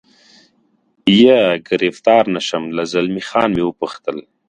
یا ګرفتار نه شم، له زلمی خان مې و پوښتل.